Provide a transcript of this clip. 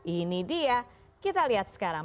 ini dia kita lihat sekarang